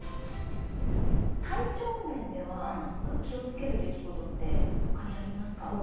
体調面では気を付けるべきことってほかにありますか？